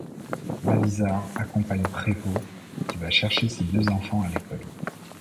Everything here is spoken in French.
Malisard accompagne Prévot qui va chercher ses deux enfants à l'école.